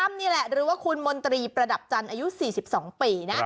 นี่แหละหรือว่าคุณมนตรีประดับจันทร์อายุ๔๒ปีนะ